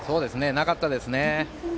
なかったですね。